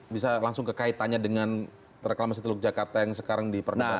bisa langsung kekaitannya dengan reklamasi teluk jakarta yang sekarang diperlukan